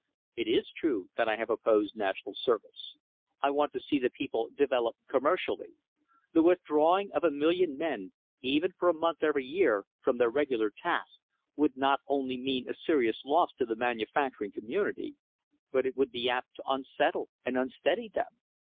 It is true that I have opposed national service. I want to see the people develop commercially. The withdrawing of a million of young men, even for a month every year, from their regular tasks, would not only mean a serious loss to the manufacturing community, but it would be apt to unsettle and unsteady them.